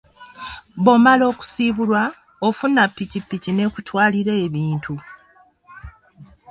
Bw'omala okusiibulwa, ofuna pikiki n'ekutwalira ebintu.